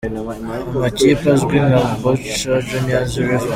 amakipe azwi nka Boca Juniors, River